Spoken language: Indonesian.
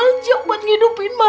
dabel cuk buat ngidupin mama